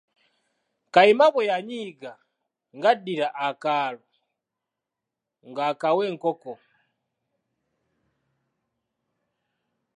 Kayima bwe yanyiiga nga addira akalo nga akawa enkoko.